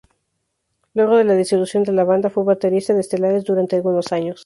Luego de la disolución de la banda, fue baterista de Estelares durante algunos años.